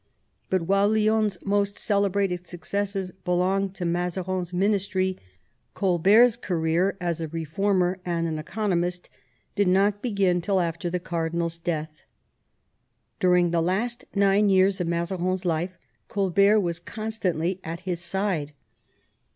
But while Lionne's most celebrated successes belong to Mazarin's ministry, Colbert's career as a reformer and economist did not begin till after the cardinal's death. During the last nine years of Mazarin's life Colbert was constantly by his side.